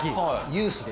ユースで？